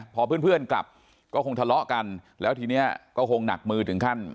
พอเพื่อนกลับก็คงทะเลาะกันแล้วทีนี้ก็คงหนักมือถึงขั้น